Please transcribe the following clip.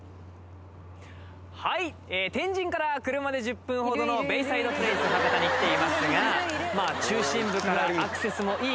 はい天神から車で１０分ほどのベイサイドプレイス博多に来ていますがまあ中心部からアクセスもいい